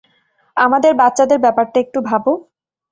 আমাদের বাচ্চাদের ব্যাপারটা একটু ভাবো।